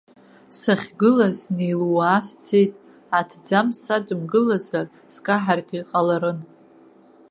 Сахьгылаз снеилууа сцеит, аҭӡамц садгыламзар, скаҳаргьы ҟаларын.